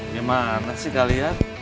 gimana sih kalian